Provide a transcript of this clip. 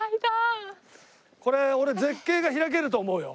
これ俺絶景が開けると思うよ。